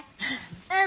うん。